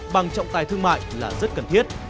bằng trọng tài thương mại là rất cần thiết